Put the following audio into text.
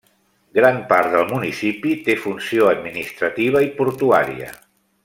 Gran part del municipi té funció administrativa i portuària.